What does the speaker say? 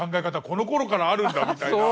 このころからあるんだみたいな。